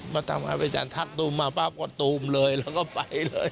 มาทำให้พระอาจารย์ทักตูมมาปั๊บก็ตูมเลยแล้วก็ไปเลย